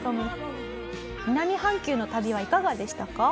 南半球の旅はいかがでしたか？